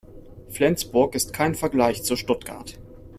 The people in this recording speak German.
Flensburg ist kein Vergleich zu Stuttgart